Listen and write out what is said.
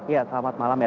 ya selamat malam